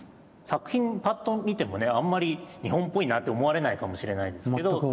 作品ぱっと見てもねあんまり日本っぽいなって思われないかもしれないんですけど。